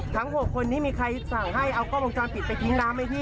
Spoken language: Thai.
ทั้งหกคนที่มีใครสั่งให้เอาก้อโปรงจรปิดไปทิ้งร้านไหมพี่